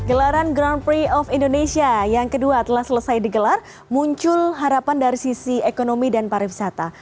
gelaran grand prix of indonesia yang kedua telah selesai digelar muncul harapan dari sisi ekonomi dan pariwisata